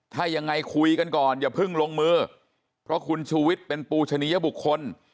ถ้ายังไงคุยกันก่อนอย่าเพิ่งลงมือเพราะคุณชูวิทย์เป็นปูชนิยบุคคล